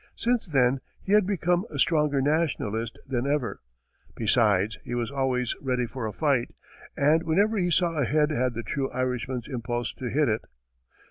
Since then, he had become a stronger nationalist than ever; besides, he was always ready for a fight, and whenever he saw a head had the true Irishman's impulse to hit it.